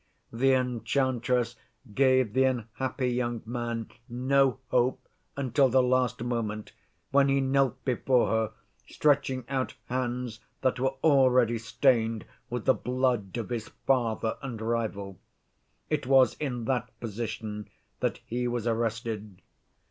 The enchantress gave the unhappy young man no hope until the last moment, when he knelt before her, stretching out hands that were already stained with the blood of his father and rival. It was in that position that he was arrested.